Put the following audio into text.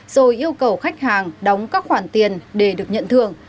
rồi yêu cầu khách hàng đóng các khoản tiền để được nhận thưởng